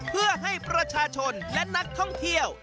เพื่อให้ประชาชนและนักท่องเที่ยว